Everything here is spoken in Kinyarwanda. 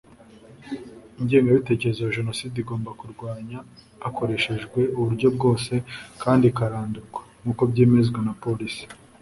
Ingengabiterezo ya Jenoside igomba kurwanya hakoreshejwe uburyo bwose kandi ikarandurwa; nk’uko byemezwa na Polisi